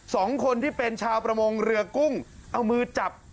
คนที่เป็นชาวประมงเรือกุ้งเอามือจับ